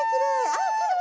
あっきれい！